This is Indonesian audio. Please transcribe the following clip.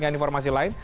dengan informasi lain